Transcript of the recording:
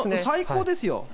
最高ですよ。